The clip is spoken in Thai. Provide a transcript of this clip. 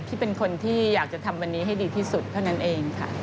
ที่เป็นคนที่อยากจะทำวันนี้ให้ดีที่สุดเท่านั้นเองค่ะ